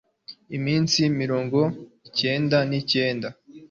iminsi mirongo icyenda ni cyenda